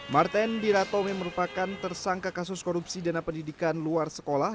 martendiratome merupakan tersangka kasus korupsi dana pendidikan luar sekolah